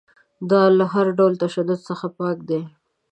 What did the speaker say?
دا له هر ډول تشدد څخه پاک دی.